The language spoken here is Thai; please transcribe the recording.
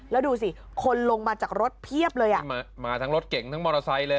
แล้วดูสิคนลงมาจากรถเพียบเลยอ่ะมาทั้งรถเก่งทั้งมอเตอร์ไซค์เลย